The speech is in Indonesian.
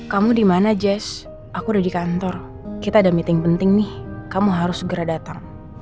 kamu di mana jazz aku udah di kantor kita ada meeting penting nih kamu harus segera datang